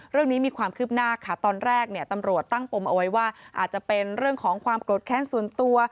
เรื่องนี้มีความคืบหน้าค่ะตอนแรกเนี่ยตำรวจตั้งปมเอาไว้ว่าอาจจะเป็นเรื่องของความโกรธแค้นส่วนตัว